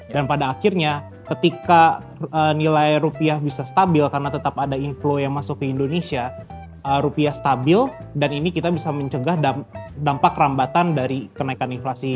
dan pada akhirnya ketika nilai rupiah bisa stabil karena tetap ada inflow yang masuk ke indonesia rupiah stabil dan ini kita bisa mencegah dampak rambatan dari kenaikan inflasi